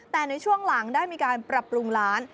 แต่ในช่วงหลังได้มีการปรับปรุงร้าน